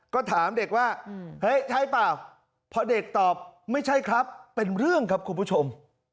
ก็ถามเด็กว่าเฮ้ยใช่เปล่าพอเด็กตอบไม่ใช่ครับเป็นเรื่องครับคุณผู้ชม